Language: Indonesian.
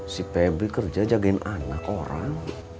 si febri kerja jagain anak orang